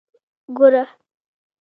ګوره.